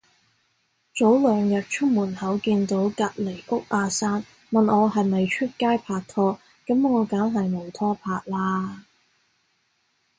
早兩日出門口見到隔離屋阿生，問我係咪出街拍拖，噉我梗係冇拖拍啦